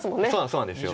そうなんです。